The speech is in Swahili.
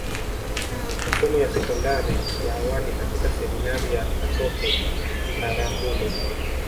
Masomo ya sekondari ya awali katika Seminari ya Katoke Biharamulo